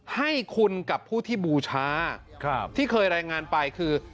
ให้คุณกับผู้ที่บูชาที่เคยรายงานไปคือ